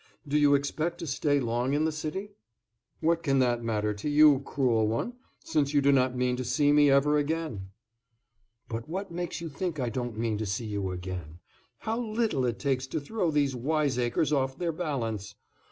Do you expect to stay long in the city?" "What can that matter to you, cruel one, since you do not mean to see me ever again?" "But what makes you think I don't mean to see you again? How little it takes to throw these wiseacres off their balance!